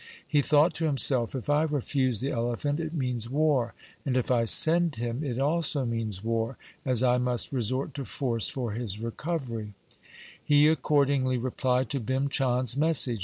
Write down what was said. He thought to himself, ' If I refuse the elephant, it means war, and if I send him it also means war, as I must resort to force for his LIFE OF GURU GOBIND SINGH 9 recovery.' He accordingly replied to Bhim Chand's message..